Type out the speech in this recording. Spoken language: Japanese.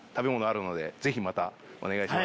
またお願いします。